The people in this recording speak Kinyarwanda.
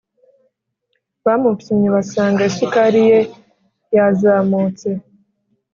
Bamupimye basanga isukari ye yazamutse